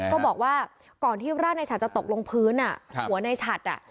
ก็บอกว่าก่อนที่ร่างในฉัดจะตกลงพื้นหัวในฉัดอ่ะ